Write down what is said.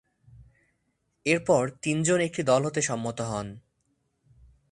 এরপর তিনজন একটি দল হতে সম্মত হন।